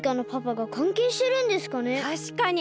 たしかに！